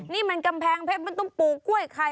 นี่มันกำแพงเพชรมันต้องปลูกกล้วยไข่